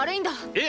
え？